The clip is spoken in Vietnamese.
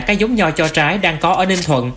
các giống nho cho trái đang có ở ninh thuận